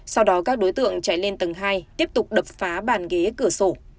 sau đó các đối tượng chạy lên tầng hai tiếp tục đập phá bàn ghế cửa sổ